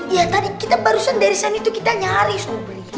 ya tadi kita barusan dari sana itu kita nyari sobri